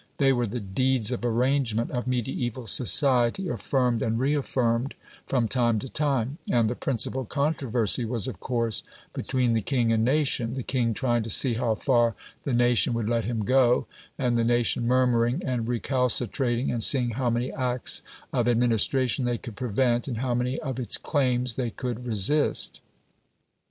They were the "deeds of arrangement" of mediaeval society affirmed and re affirmed from time to time, and the principal controversy was, of course, between the king and nation the king trying to see how far the nation would let him go, and the nation murmuring and recalcitrating, and seeing how many acts of administration they could prevent, and how many of its claims they could resist.